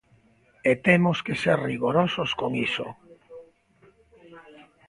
E temos que ser rigorosos con iso.